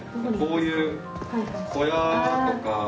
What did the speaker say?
こういう小屋とか。